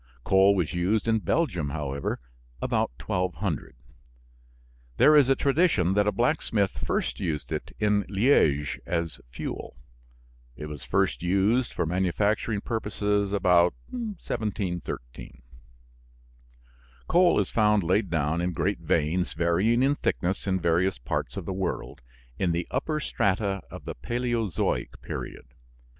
Coal was used in Belgium, however, about 1200. There is a tradition that a blacksmith first used it in Liège as fuel. It was first used for manufacturing purposes about 1713. Coal is found laid down in great veins, varying in thickness, in various parts of the world in the upper strata of the Paleozoic period.